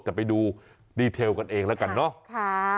แต่ไปดูดีเทลกันเองแล้วกันเนาะ